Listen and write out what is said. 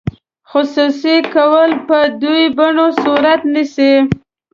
خصوصي کول په دوه بڼو صورت نیسي.